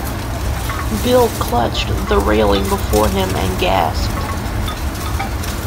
Bill clutched the railing before him and gasped.